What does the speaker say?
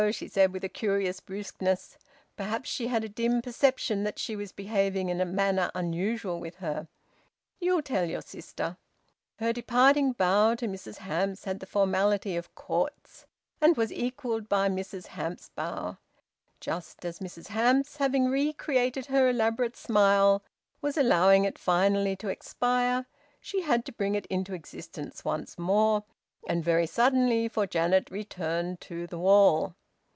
she said, with a curious brusqueness. Perhaps she had a dim perception that she was behaving in a manner unusual with her. "You'll tell your sister." Her departing bow to Mrs Hamps had the formality of courts, and was equalled by Mrs Hamps's bow. Just as Mrs Hamps, having re created her elaborate smile, was allowing it finally to expire, she had to bring it into existence once more, and very suddenly, for Janet returned to the wall.